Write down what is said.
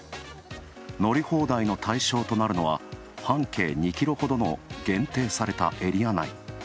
乗り放題の対象となるのは、半径２キロほどの限定されたエリア内。